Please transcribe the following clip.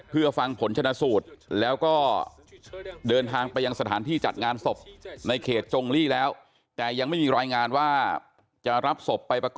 เพื่อฟังผลชนะศูตต์แล้วก็เดินทางไปยังสถานที่จัดงานศพ